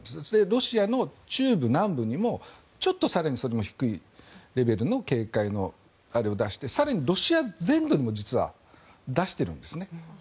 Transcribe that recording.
ロシアの中部、南部にもちょっと更にそれより低いレベルの警戒のあれを出して更にロシア全土にも実は出しているんですね。